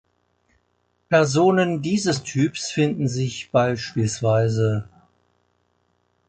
Personen dieses Typs finden sich bspw.